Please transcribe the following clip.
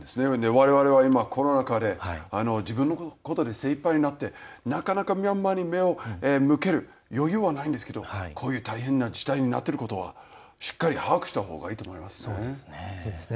われわれは今コロナ禍で自分のことで精いっぱいになってなかなかミャンマーに目を向ける余裕はないんですけどこういう大変な事態になっていることはしっかり把握したほうがいいと思いますね。